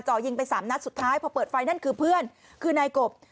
ยิงไปสามนัดสุดท้ายพอเปิดไฟนั่นคือเพื่อนคือนายกบ